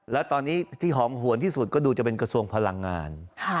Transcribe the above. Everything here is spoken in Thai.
และตอนนี้ที่หอมห่วนที่สุดเกือบกระทรวงพลังงาน